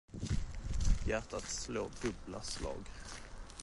Hjärtat slår dubbla slag.